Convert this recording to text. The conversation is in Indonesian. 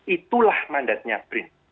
itulah mandatnya brin